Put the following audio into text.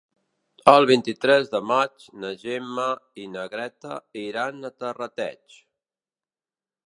El vint-i-tres de maig na Gemma i na Greta iran a Terrateig.